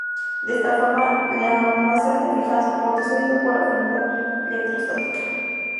De esta forma, la muestra se fija al soporte sólido por afinidad electrostática.